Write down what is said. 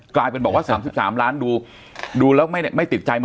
กลายเป็นบอกว่าสามสิบสามล้านดูดูแล้วไม่ติดใจมันยังไงกัน